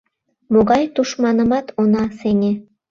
Могай тушманымат она сеҥе!